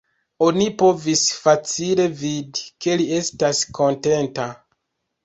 Oni povis facile vidi, ke li estas kontenta.